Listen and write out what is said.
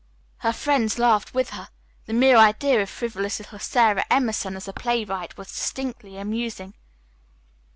Her friends laughed with her. The mere idea of frivolous little Sara Emerson as a playwright was distinctly amusing.